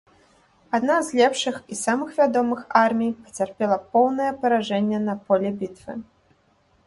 Адна з лепшых і самых вядомых армій пацярпела поўнае паражэнне на поле бітвы.